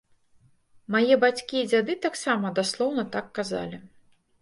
Мае бацькі і дзяды таксама даслоўна так казалі.